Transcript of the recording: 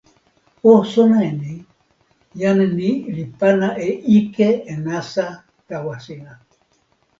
o sona e ni: jan ni li pana e ike e nasa tawa sina.